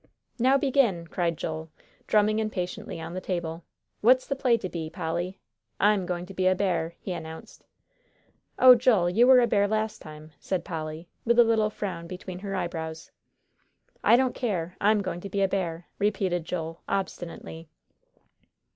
"Now begin," cried Joel, drumming impatiently on the table; "what's the play to be, Polly? I'm going to be a bear," he announced. "Oh, Joel, you were a bear last time," said Polly, with a little frown between her eyebrows. "I don't care, I'm going to be a bear," repeated Joel, obstinately.